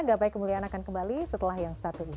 gapai kemuliaan akan kembali setelah yang satu ini